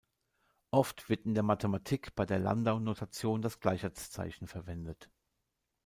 Oft wird in der Mathematik bei der Landau-Notation das Gleichheitszeichen verwendet.